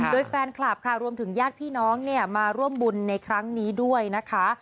โดยแฟนคลับค่ะรวมถึงญาติพี่น้องเนี่ยมาร่วมบุญในครั้งนี้ด้วยนะคะ